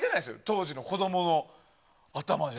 当時の子供の頭では。